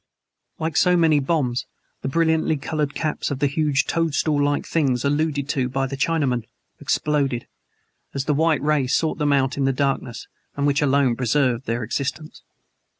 Like so many bombs the brilliantly colored caps of the huge toadstool like things alluded to by the Chinaman exploded, as the white ray sought them out in the darkness which alone preserved their existence.